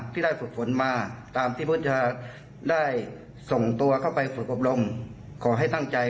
ที่ได้ฝึกฝนมาตามที่พุทธจะได้ส่งตัวเข้าไปฝึกอบรมขอให้ตั้งใจ